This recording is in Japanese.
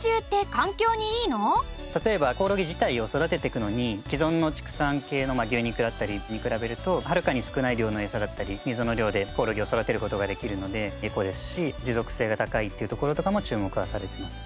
例えばコオロギ自体を育てていくのに既存の畜産系の牛肉だったりに比べるとはるかに少ない量の餌だったり水の量でコオロギを育てる事ができるのでエコですし持続性が高いっていうところとかも注目はされています。